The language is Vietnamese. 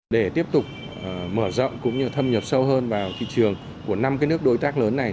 để tiếp tục mở rộng cũng như thâm nhập sâu hơn vào thị trường của năm nước đối tác lớn này